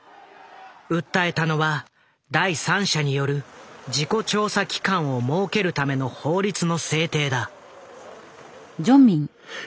訴えたのは第三者による事故調査機関を設けるための法律の制定だ。